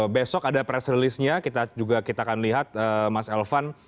besok ada press release nya kita juga kita akan lihat mas elvan